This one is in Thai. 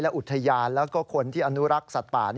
อุทยานแล้วก็คนที่อนุรักษ์สัตว์ป่า